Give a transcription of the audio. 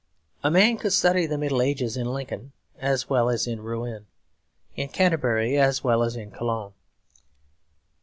A man could study the Middle Ages in Lincoln as well as in Rouen; in Canterbury as well as in Cologne.